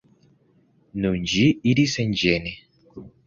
Nun ĝi iris senĝene.